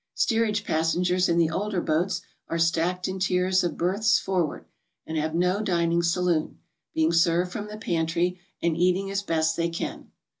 Steerage passengers in the older boats are stacked in tiers of berths forward, and have no dining saloon, being served from the pantry and eating as best they can.